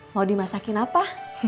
mau dimasakin apa